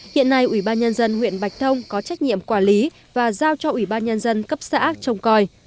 hiện nay ủy ban nhân dân huyện bạch thông có trách nhiệm quản lý và giao cho ủy ban nhân dân cấp xã trông coi